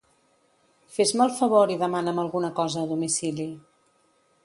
Fes-me el favor i demana'm alguna cosa a domicili.